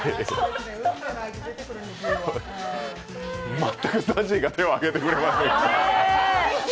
全くＺＡＺＹが手を挙げてくれません。